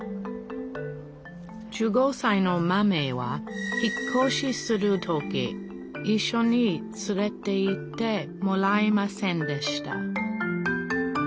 １５さいのマメは引っ越しする時いっしょに連れていってもらえませんでした